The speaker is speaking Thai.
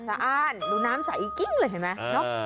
สะอ้านดูน้ำใส่อีกกิ้งเลยเห็นไหม